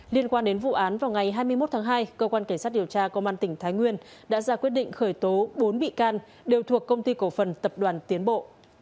liên quan đến vụ án vào ngày hai mươi một tháng hai cơ quan cảnh sát điều tra công an tỉnh thái nguyên đã ra quyết định khởi tố bốn bị can đều thuộc công ty cổ phần tập đoàn tiến bộ